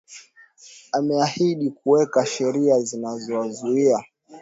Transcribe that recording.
Ameahidi kuweka sheria zinazowazuia